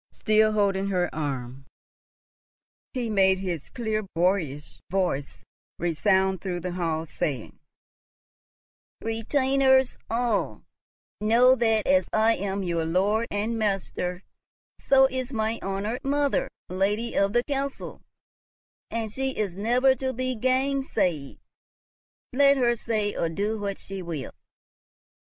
Still holding her arm, he made his clear boyish voice resound through the hall, saying, "Retainers all, know that, as I am your lord and master, so is my honoured mother lady of the castle, and she is never to be gainsay'ed, let her say or do what she will."